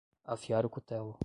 Afiar o cutelo